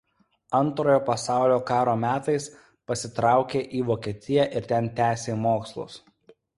Antrojo pasaulinio karo metais pasitraukė į Vokietiją ir ten tęsė mokslus.